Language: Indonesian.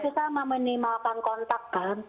sama sama menimalkan kontak kan